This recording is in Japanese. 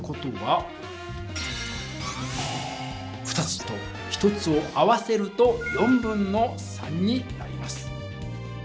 ２つと１つを合わせると3/4になります。